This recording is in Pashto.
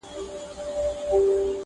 وژني بېګناه انسان ګوره چي لا څه کیږي!.